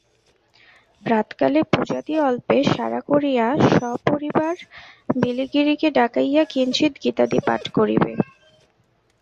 প্রাতঃকালে পূজাদি অল্পে সারা করিয়া সপরিবার বিলিগিরিকে ডাকাইয়া কিঞ্চিৎ গীতাদি পাঠ করিবে।